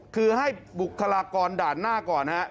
คือให้บุคลากรด่านหน้าก่อนฮะ